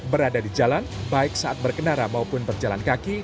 berada di jalan baik saat berkendara maupun berjalan kaki